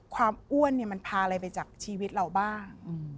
ความอ้วนเนี่ยมันพาอะไรไปจากชีวิตเราบ้าง